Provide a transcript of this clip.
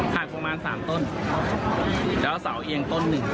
หักประมาณ๓ต้นเดี๋ยวเสาเอียง๑